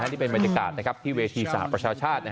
นี่เป็นบรรยากาศที่เวทีสหประชาชาติ